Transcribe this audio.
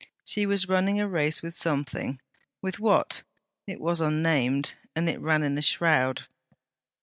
She was running a race with something; with what? It was unnamed; it ran in a shroud.